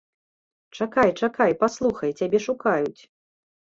Чакай, чакай, паслухай, цябе шукаюць.